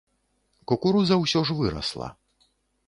Кукуруза ўсё ж вырасла.